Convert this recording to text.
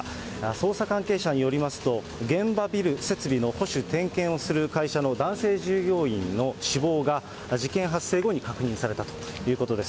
捜査関係者によりますと、現場ビル設備の保守点検をする会社の男性従業員の死亡が事件発生後に確認されたということです。